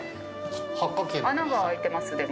穴が開いてますでも。